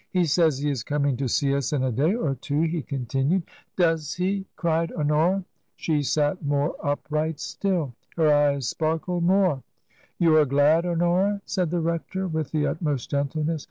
" He says he is coming to see us in a day or two," he continued. " Does he ?" cried Honora. She sat more upright still ; her eyes sparkled more. TRANSITION. 17 " You are glad, Honora ?" said the rector, with the utmost gentleness.